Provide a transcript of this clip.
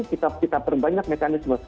kita perbanyak mekanisme